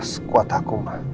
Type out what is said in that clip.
sekuat aku ma